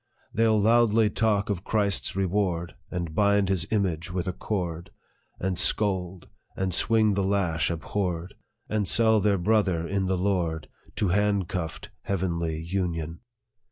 They '11 loudly talk of Christ's reward, And bind his image with a cord v And scold, and swing the lash abhorred, And sell their brother in the Lord To handcuffed heavenly union.